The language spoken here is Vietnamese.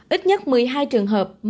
ít nhất một mươi hai trường hợp